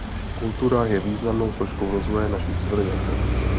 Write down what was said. Kultura je významnou složkou rozvoje naší civilizace.